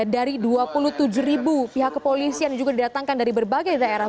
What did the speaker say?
dari dua puluh tujuh ribu pihak kepolisian juga didatangkan dari berbagai daerah